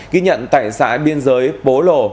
ghi nhận tại xã biên giới bố lổ